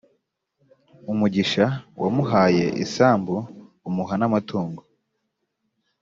umugisha wamuhaye isambu umuha n amatungo